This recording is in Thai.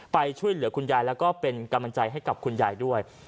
ไปช่วยเหลือคุณยายแล้วก็เป็นกำลังใจให้กับคุณยายด้วย